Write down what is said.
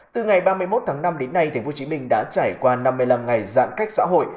từ ngày ba mươi một tháng năm đến nay tp hcm đã trải qua năm mươi năm ngày giãn cách xã hội